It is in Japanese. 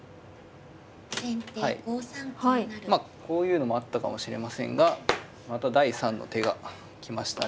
まあこういうのもあったかもしれませんがまた第３の手が来ましたね。